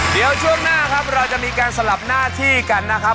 เดี๋ยวช่วงหน้าครับเราจะมีการสลับหน้าที่กันนะครับ